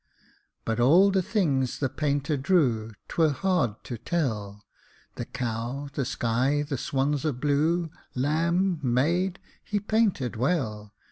But all the things the painter drew 'Twere hard to tell The cow, the sky, the swans of blue, Lamb, maid, he painted well.